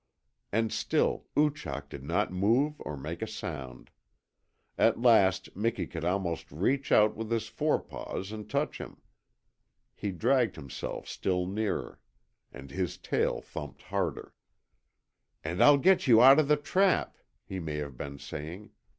And still Oochak did not move or make a sound. At last Miki could almost reach out with his forepaws and touch him. He dragged himself still nearer, and his tail thumped harder. "And I'll get you out of the trap," he may have been saying.